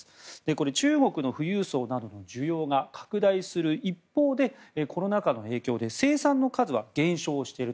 これ、中国の富裕層などの需要が拡大する一方でコロナ禍の影響で生産の数は減少している。